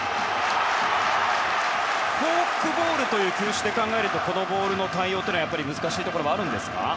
フォークボールという球種で考えるとこのボールの対応は難しいところはありますか。